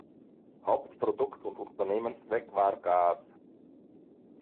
Hauptprodukt und Unternehmenszweck war Gas.